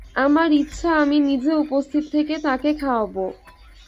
আমার ইচ্ছা আমি নিজে উপস্থিত থেকে তাঁকে খাওয়াব।